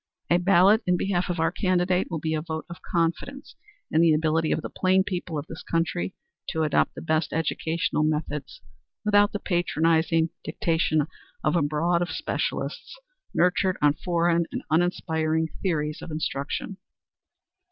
A ballot in behalf of our candidate will be a vote of confidence in the ability of the plain people of this country to adopt the best educational methods without the patronizing dictation of aboard of specialists nurtured on foreign and uninspiring theories of instruction.